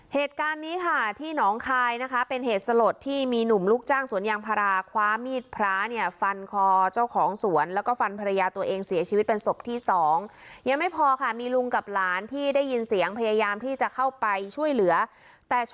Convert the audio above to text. เหตุการณ์นี้ค่ะที่หนองคายนะคะเป็นเหตุสลดที่มีหนุ่มลูกจ้างสวนยางพาราคว้ามีดพระเนี่ยฟันคอเจ้าของสวนแล้วก็ฟันภรรยาตัวเองเสียชีวิตเป็นศพที่สองยังไม่พอค่ะมีลุงกับหลานที่ได้ยินเสียงพยายามที่จะเข้าไปช่วยเหลือแต่ช